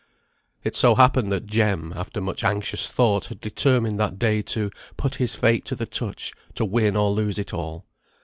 It so happened that Jem, after much anxious thought, had determined that day to "put his fate to the touch, to win or lose it all."